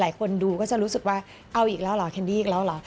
หลายคนดูก็จะรู้สึกว่าเอาอีกแล้วเหรอแคนดี้อีกแล้วเหรอ